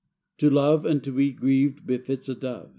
To love and to be grieved befits a dove.